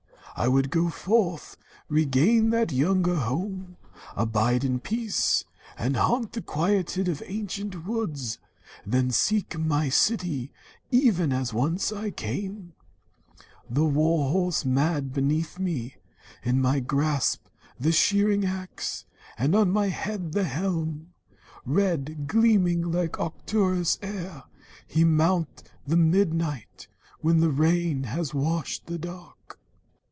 I would go forth, Regain that younger home, abide in peace, And haunt the quietude of ancient woods, Then seek my city even as once I came, 34 THE FOREST MOTHER The war horse mad beneath me, in my grasp The shearing axe, and on my head the helm, Red gleaming like Arcturus ere he mount The midnight, when the rain has washed the dark.